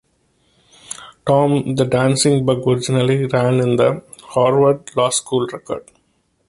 Tom the Dancing Bug originally ran in the "Harvard Law School Record".